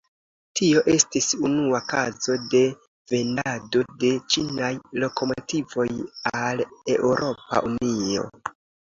Tio estis unua kazo de vendado de ĉinaj lokomotivoj al Eŭropa Unio.